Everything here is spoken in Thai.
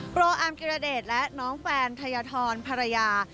โรอาร์มกิรเดชและน้องแฟนทยธรภรรยา